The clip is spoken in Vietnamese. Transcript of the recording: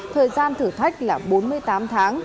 thời gian thử thách là bốn mươi tám tháng